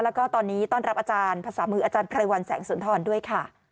แล้วก็ตอนนี้ต้อนรับอาจารย์ภาษามืออาจารย์ไพรวัลแสงสุนทรด้วยค่ะ